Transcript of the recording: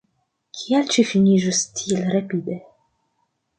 Kial ĝi finiĝos tiel rapide?